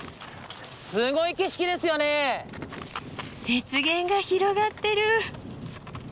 雪原が広がってる。